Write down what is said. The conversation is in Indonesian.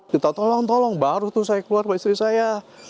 kita tolong tolong baru tuh saya keluar dari istri saya